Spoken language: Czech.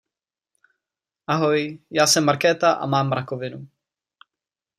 Ahoj, já jsem Markéta a mám rakovinu.